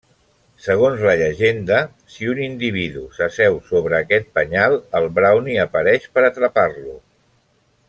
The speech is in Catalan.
Segons la llegenda, si un individu s'asseu sobre aquest penyal, el brownie apareix per atrapar-lo.